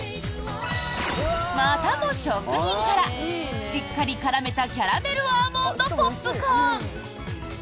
またも食品からしっかり絡めたキャラメルアーモンドポップコーン。